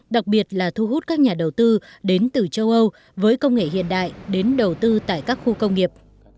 đặc biệt là thu hút các nhà đầu tư đến từ châu âu với công nghệ hiện đại đến đầu tư tại các khu công nghiệp